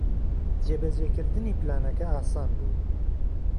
جێبەجێکردنی پلانەکە ئاسان بوو.